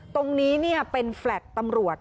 ตรงนี้เป็นแฟลต์ตำรวจ